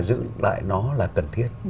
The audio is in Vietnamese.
giữ lại nó là cần thiết